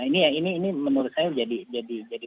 nah ini menurut saya jadi